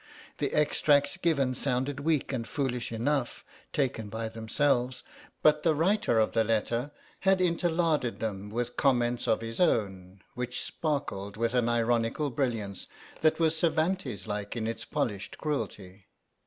The extracts given sounded weak and foolish enough, taken by themselves, but the writer of the letter had interlarded them with comments of his own, which sparkled with an ironical brilliance that was Cervantes like in its polished cruelty.